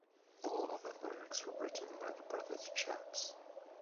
All other lyrics were written by The Brothers Chaps.